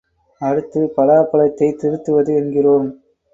அடுத்து, பலாப்பழத்தைத் திருத்துவது என்கிறோம்.